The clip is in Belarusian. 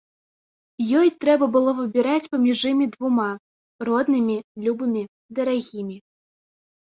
Ёй трэба было выбіраць паміж імі двума, роднымі, любымі, дарагімі.